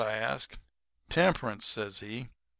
I asked. "'Temperance,' says he.